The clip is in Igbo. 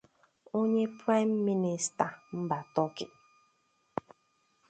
Onye Prime Minista mba Turkey